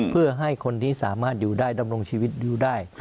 เพื่อให้คนที่สามารถอยู่ได้ดำรงชีวิตอยู่ได้